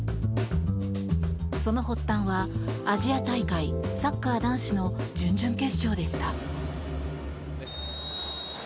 その発端はアジア大会サッカー男子の準々決勝でした。